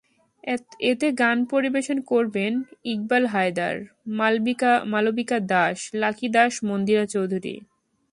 এতে গান পরিবেশন করবেন ইকবাল হায়দার, মালবিকা দাশ, লাকী দাশ, মন্দিরা চৌধুরী।